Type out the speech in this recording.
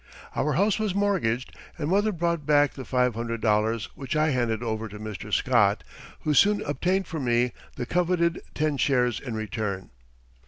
Our house was mortgaged and mother brought back the five hundred dollars which I handed over to Mr. Scott, who soon obtained for me the coveted ten shares in return.